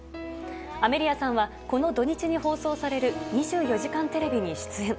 アメリアさんはこの土日に放送される「２４時間テレビ」に出演。